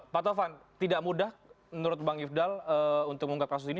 pak taufan tidak mudah menurut bang ifdal untuk mengungkap kasus ini